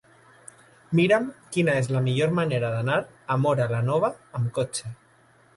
Mira'm quina és la millor manera d'anar a Móra la Nova amb cotxe.